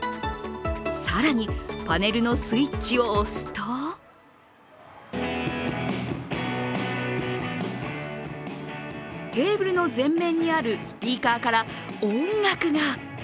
更に、パネルのスイッチを押すとテーブルの前面にあるスピーカーから音楽が。